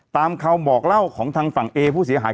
ตามคำบอกเล่าของทางฝั่งเอผู้เสียหาย